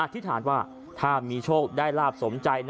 ธิษฐานว่าถ้ามีโชคได้ลาบสมใจ